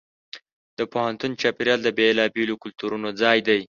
د پوهنتون چاپېریال د بېلابېلو کلتورونو ځای دی.